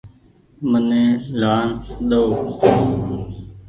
مني لآن ۮئو۔